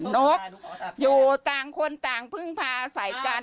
นกอยู่ต่างคนต่างพึ่งพาใส่กัน